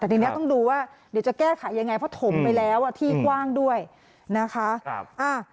แต่ทีนี้ต้องดูว่าเดี๋ยวจะแก้ไขยังไงเพราะถมไปแล้วที่กว้างด้วยนะคะ